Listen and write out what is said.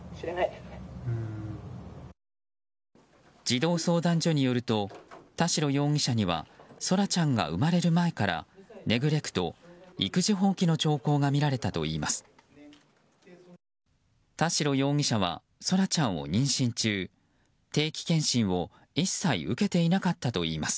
児童相談所によると田代容疑者には空来ちゃんが生まれる前からネグレクト・育児放棄の兆候が見られたといいます。